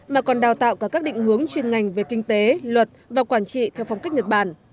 mà còn đào tạo cả các định hướng chuyên ngành về kinh tế luật và quản trị theo phong cách nhật bản